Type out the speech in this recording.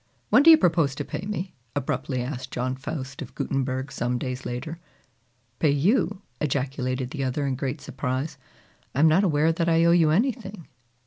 "When do you propose to pay me?" abruptly asked John Faust of Gutenberg some days later. "Pay you!" ejaculated the other in great surprise, "I am not aware that I owe you anything!"